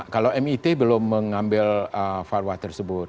kalau mit belum mengambil fatwa tersebut